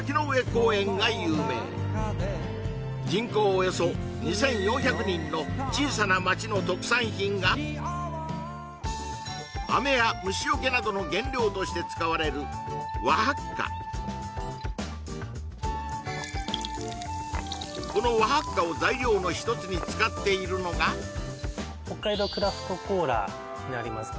およそ２４００人の小さな町の特産品があめや虫よけなどの原料として使われる和ハッカこの和ハッカを材料の一つに使っているのが北海道クラフトコーラになります